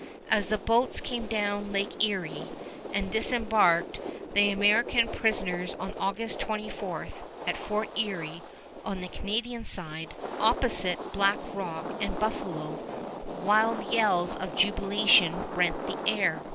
As the boats came down Lake Erie and disembarked the American prisoners on August 24, at Fort Erie on the Canadian side, opposite Black Rock and Buffalo, wild yells of jubilation rent the air.